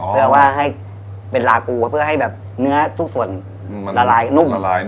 เพื่อให้เป็นลากูเพื่อให้เนื้อทุกส่วนละลายนุ่ม